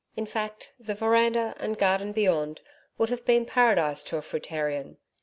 In fact, the veranda and garden beyond would have been paradise to a fruitarian.